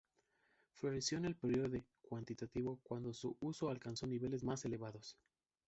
Floreció en el período del Cuantitativo cuando su uso alcanzó niveles más elevados.